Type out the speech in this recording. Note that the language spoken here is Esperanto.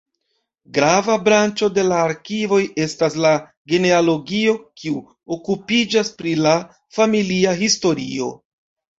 Grava branĉo de la arkivoj estas la genealogio, kiu okupiĝas pri la familia historio.